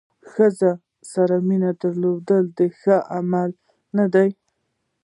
د ښځې سره مینه درلودل د ښایست له امله نه ده.